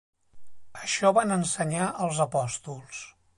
Això van ensenyar els apòstols.